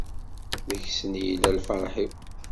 Deg-sen i yella lferḥ-iw.